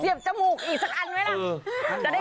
เสียบจมูกอีกสักอันไว้ล่ะ